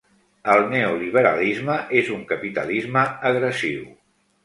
El neoliberalisme és un capitalisme agressiu.